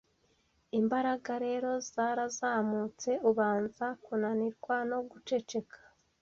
Imbaraga rero zarazamutse ubanza kunanirwa no guceceka